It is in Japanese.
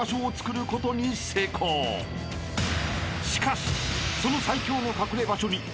［しかしその］